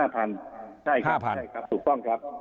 ๕๐๐๐ใช่ครับถูกต้องครับ